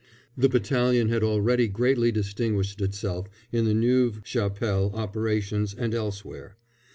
The battalion had already greatly distinguished itself in the Neuve Chapelle operations and elsewhere.